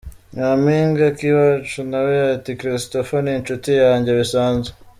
Nyampinga Akiwacu na we ati “Christopher ni inshuti yanjye bisanzwe.